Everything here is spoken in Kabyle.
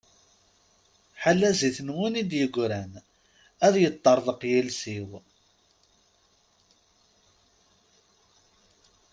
Ḥala zzit-nwen i d-yegran, ad yeṭṭeṛḍeq yiles-iw!